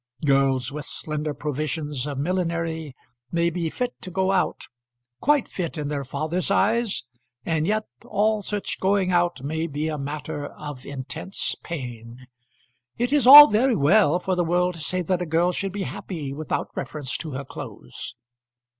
Girls with slender provisions of millinery may be fit to go out, quite fit in their father's eyes; and yet all such going out may be matter of intense pain. It is all very well for the world to say that a girl should be happy without reference to her clothes.